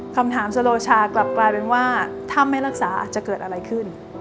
คำถามสโลชากลับกลายเป็นว่าถ้าไม่รักษาอาจจะเกิดอะไรขึ้น